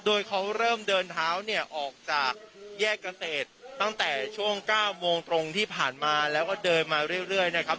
โดยเขาเริ่มเดินเท้าเนี่ยออกจากแยกเกษตรตั้งแต่ช่วง๙โมงตรงที่ผ่านมาแล้วก็เดินมาเรื่อยนะครับ